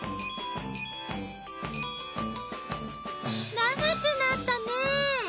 長くなったね。